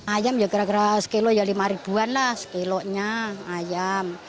ayam ya gara gara sekilo ya rp lima lah sekilonya ayam